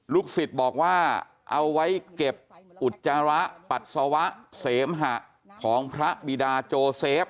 ศิษย์บอกว่าเอาไว้เก็บอุจจาระปัสสาวะเสมหะของพระบิดาโจเซฟ